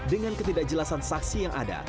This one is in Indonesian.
dengan ketidakjelasan saksi yang ada